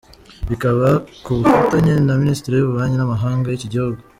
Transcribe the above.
Bikaba ku bufatanye na Minisiteri y’Ububanyi n’Amahanga y’iki gihugu.